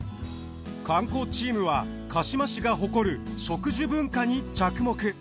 観光チームは鹿嶋市が誇る植樹文化に着目。